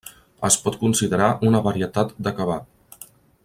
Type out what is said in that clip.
Es pot considerar una varietat de kebab.